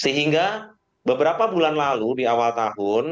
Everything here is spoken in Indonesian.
sehingga beberapa bulan lalu di awal tahun